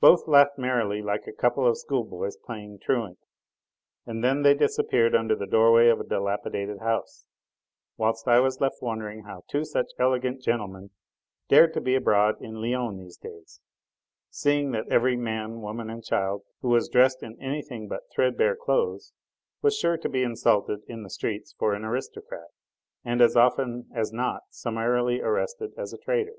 Both laughed merrily like a couple of schoolboys playing truant, and then they disappeared under the doorway of a dilapidated house, whilst I was left wondering how two such elegant gentlemen dared be abroad in Lyons these days, seeing that every man, woman and child who was dressed in anything but threadbare clothes was sure to be insulted in the streets for an aristocrat, and as often as not summarily arrested as a traitor.